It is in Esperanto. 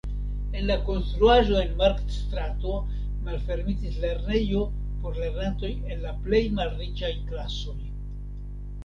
En la konstruaĵo en Markt-strato malfermitis lernejo por lernantoj el la plej malriĉaj klasoj.